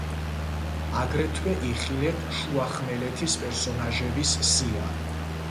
აგრეთვე იხილეთ შუახმელეთის პერსონაჟების სია.